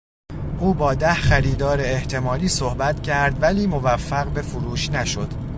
او با ده خریدار احتمالی صحبت کرد ولی موفق به فروش نشد.